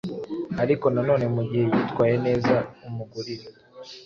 ariko nanone mu gihe yitwaye neza umugurire